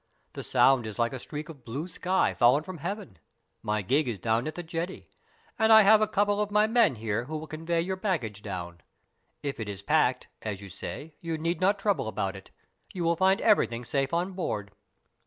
The Sound is like a streak of blue sky fallen from heaven. My gig is down at the jetty, and I have a couple of my men here who will convoy your baggage down. If it is packed, as you say, you need not trouble about it. You will find everything safe on board."